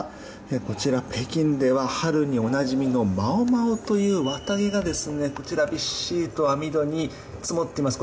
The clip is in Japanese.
こちら北京では春におなじみのマオマオという綿毛がびっしりと網戸に積もっています。